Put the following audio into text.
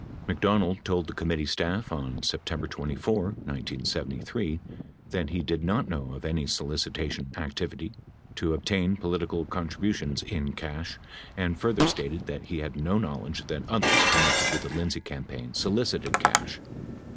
McDonald told the committee staff, on September 24, 1973, that he did not know of any solicitation activity to obtain political contribu tions in cash and further stated that he had no knowledge that others connected with the Lindsay campaign solicited cash.